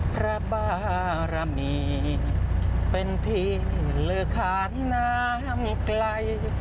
พระบารมีเป็นที่ลือขานน้ำไกล